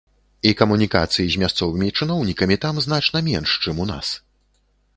І камунікацыі з мясцовымі чыноўнікамі там значна менш, чым у нас.